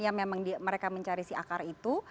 yang memang mereka mencari si akar itu